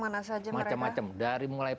mana saja mereka macem macem dari mulai